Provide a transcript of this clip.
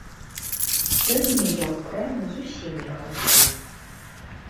Сёння я ў краму зусім не хаджу.